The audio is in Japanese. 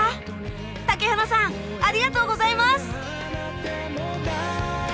竹花さんありがとうございます！